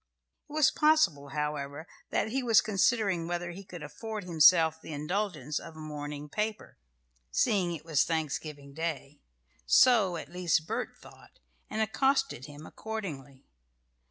It was possible, however, that he was considering whether he could afford himself the indulgence of a morning paper (seeing it was Thanksgiving Day); so, at least, Bert thought, and accosted him accordingly.